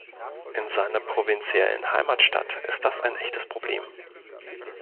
In seiner provinziellen Heimatstadt ist das ein echtes Problem.